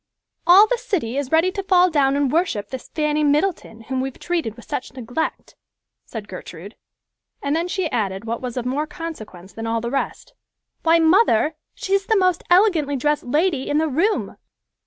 "All the city is ready to fall down and worship this Fanny Middleton, whom we have treated with such neglect," said Gertrude, and then she added what was of more consequence than all the rest, "Why, mother, she's the most elegantly dressed lady in the room!"